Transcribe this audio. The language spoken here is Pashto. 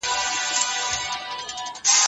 استازي به د ملي بوديجې طرحه وڅېړي.